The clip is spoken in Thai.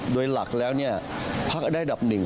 โดยหลักแล้วพักได้อันดับหนึ่ง